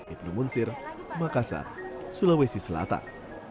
ibnu munsir makassar sulawesi selatan